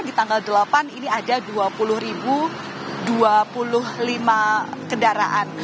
di tanggal delapan ini ada dua puluh dua puluh lima kendaraan